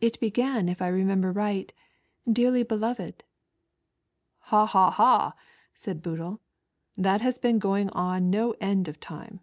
It began if I remember right, " Dearly beloved." " Ha ! ha ! ha !" aaid Boodle, " that has been going on no end of a time.